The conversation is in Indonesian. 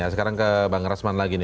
sekarang ke bang rasman lagi nih